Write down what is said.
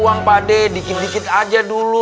buang padeh dikit dikit aja dulu